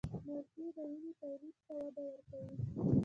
مالټې د وینې تولید ته وده ورکوي.